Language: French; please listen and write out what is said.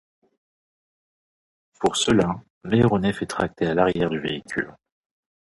Pour cela l'aéronef est tracté à l'arrière du véhicule.